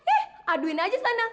ih aduin aja sana